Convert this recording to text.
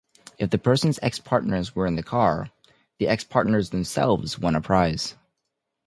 If the person's ex-partners were in the car, the ex-partners themselves won a prize.